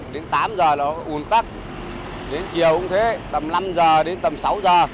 đến tám giờ nó ủn tắc đến chiều cũng thế tầm năm giờ đến tầm sáu giờ